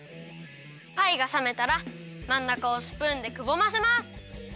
パイがさめたらまんなかをスプーンでくぼませます！